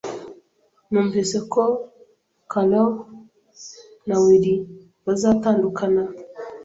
Numvise ko Carol na Will bazatandukana.